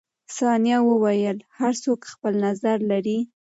ثانیه وویل، هر څوک خپل نظر لري.